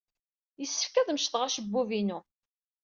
Yessefk ad mecḍeɣ acebbub-inu.